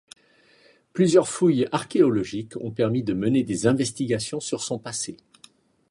Plusieurs fouilles archéologiques ont permis de mener des investigations sur son passé.